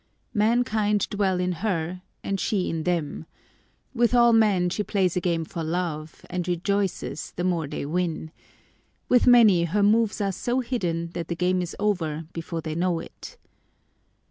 Mankind dwell in her and she in them. With all men she plays a game for love, and rejoices the more they win. With many, her moves are so hidden, that the game is over before they know it.